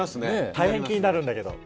大変気になるんだけど。